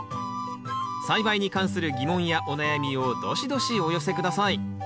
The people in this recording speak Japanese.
栽培に関する疑問やお悩みをドシドシお寄せください。